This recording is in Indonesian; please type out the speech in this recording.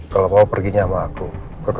kalo papa perginya sama aku ke